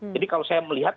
jadi kalau saya melihat